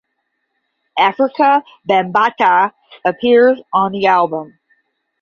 Afrika Bambaataa appears on the album.